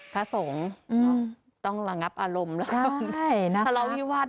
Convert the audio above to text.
พระสงฆ์ต้องหลังับอารมณ์แล้ว